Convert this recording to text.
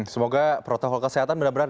semoga protokol kesehatan benar benar